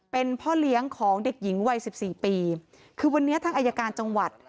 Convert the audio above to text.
เป็นพ่อเลี้ยงของเด็กหญิงวัยสิบสี่ปีคือวันนี้ทางอายการจังหวัด